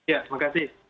ya terima kasih